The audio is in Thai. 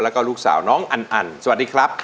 แล้วก็ลูกสาวน้องอันอันสวัสดีครับ